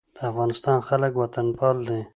د افغانستان خلک وطنپال دي